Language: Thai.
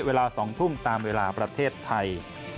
เวลา๒ทุ่มตามเวลาประเทศไทย